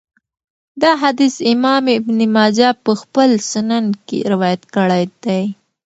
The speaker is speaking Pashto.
دا حديث امام ابن ماجه په خپل سنن کي روايت کړی دی .